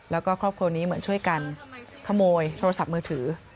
แล้วก็ครอบครัวนี้เหมือนช่วยกันขโมยโทรศัพท์มือถือ